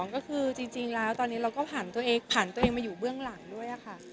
ก็คือจริงแล้วตอนนี้เราก็ผ่านตัวเองผ่านตัวเองมาอยู่เบื้องหลังด้วยค่ะ